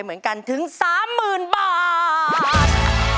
เหมือนกันถึง๓๐๐๐บาท